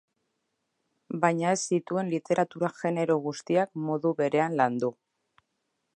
Baina ez zituen literatura genero guztiak modu berean landu.